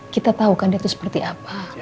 kita tau kan dia itu seperti apa